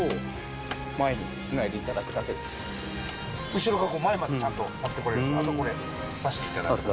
後ろから前までちゃんと持ってこれるんであとこれ挿していただく。